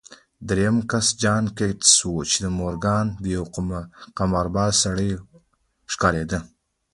درېيم کس جان ګيټس و چې مورګان ته يو قمارباز سړی ښکارېده.